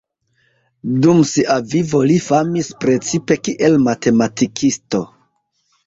Dum sia vivo li famis precipe kiel matematikisto.